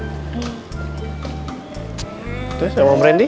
terus sama om randy